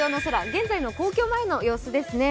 現在の皇居前の様子ですね。